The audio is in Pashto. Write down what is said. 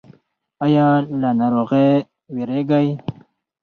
ایا له ناروغۍ ویریږئ؟